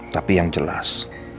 tapi yang jelas